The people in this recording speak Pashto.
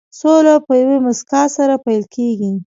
سوله په یوې موسکا سره پيل کېږي.